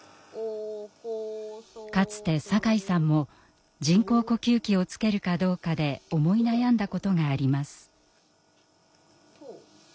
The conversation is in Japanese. かつて酒井さんも人工呼吸器をつけるかどうかで思い悩んだことがあります。